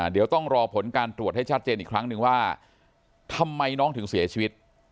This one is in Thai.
เดี๋ยวต้องรอผลการตรวจให้ชัดเจนอีกครั้งนึงว่าทำไมน้องถึงเสียชีวิต